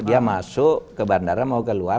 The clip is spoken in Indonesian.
dia masuk ke bandara mau keluar